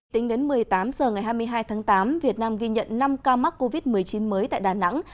tính đến một mươi tám h ngày hai mươi hai tháng tám việt nam ghi nhận năm ca mắc covid một mươi chín mới tại đà nẵng